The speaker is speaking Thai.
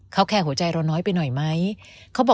เขาแคร์หัวใจเราน้อยไปหน่อยไหม